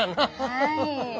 はい。